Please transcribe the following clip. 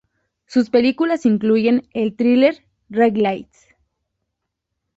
Sus películas incluyen el thriller "Red Lights".